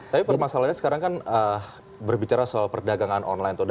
tapi permasalahannya sekarang kan berbicara soal perdagangan online